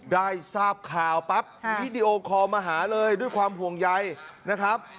ได้ทราบข่าวปั๊บวีดีโอคอลมาหาเลยด้วยความห่วงใยนะครับ